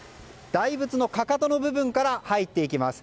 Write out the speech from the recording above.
大仏のかかとの部分から入っていきます。